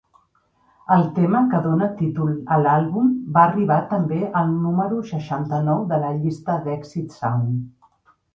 El tema que dona títol a l'àlbum va arribar també al número seixanta-nou de la llista d'èxits soul.